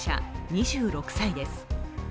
２６歳です。